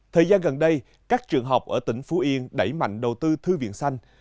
thời gian gần đây các trường học ở tỉnh phú yên đẩy mạnh đầu tư thư viện xanh